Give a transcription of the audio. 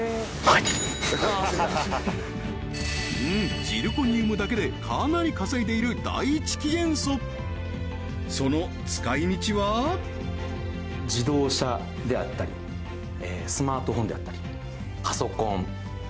はいうんジルコニウムだけでかなり稼いでいる第一稀元素その使い道は自動車であったりスマートフォンであったりパソコン